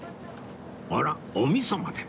あらおみそまで。